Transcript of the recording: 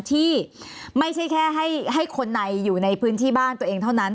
ที่ไม่ใช่แค่ให้คนในอยู่ในพื้นที่บ้านตัวเองเท่านั้น